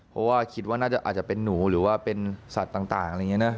เพราะว่าคิดว่าน่าจะอาจจะเป็นหนูหรือว่าเป็นสัตว์ต่างอะไรอย่างนี้นะ